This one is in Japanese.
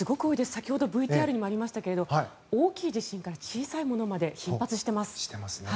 先ほどＶＴＲにもありましたが大きい地震から小さいものまで頻発しています。